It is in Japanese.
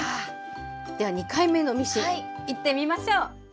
では２回目のミシンいってみましょう！